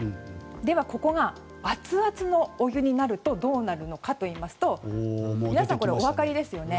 では、ここが熱々のお湯になるとどうなるのかといいますと皆さん、お分かりですよね。